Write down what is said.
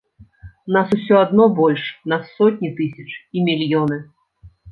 Нас усё адно больш, нас сотні тысяч і мільёны.